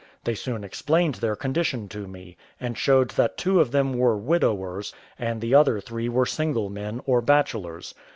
They soon explained their condition to me, and showed that two of them were widowers, and the other three were single men, or bachelors.